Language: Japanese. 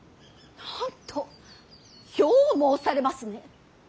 なんと！よう申されますね。